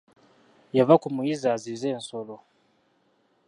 Yava ku muyizzi azize ensolo.